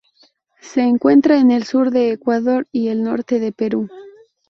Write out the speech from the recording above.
Se encuentra en el sur de Ecuador y el norte de Perú.